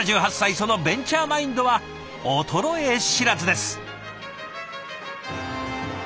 そのベンチャーマインドは衰え知らずです。